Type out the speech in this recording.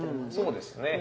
そうですね。